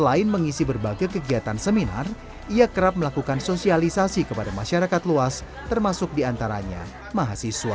selain mengisi berbagai kegiatan seminar ia kerap melakukan sosialisasi kepada masyarakat luas termasuk diantaranya mahasiswa